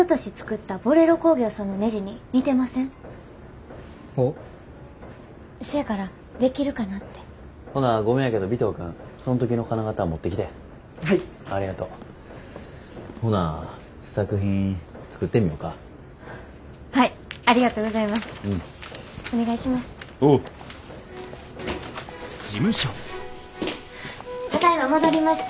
ただいま戻りました。